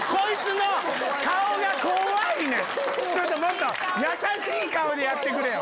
もっと優しい顔でやってくれよ。